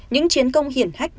những chiến công hiển hách